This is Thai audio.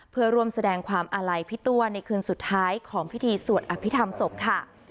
เพื่อร่วมแสดงความอาลัยพี่ตัวในคืนสุดท้ายของพิธีสวดอภิษฐรรมศพค่ะ